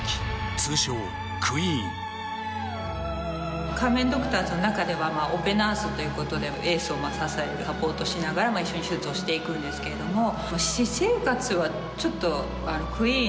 通称クイーン仮面ドクターズの中ではオペナースということでエースを支えるサポートしながら一緒に手術をしていくんですけれども私生活はちょっとクイーン